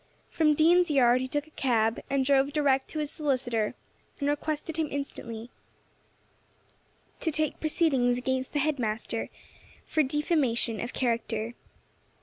From Dean's Yard he took a cab, and drove direct to his solicitor, and requested him instantly to take proceedings against the head master for defamation of character.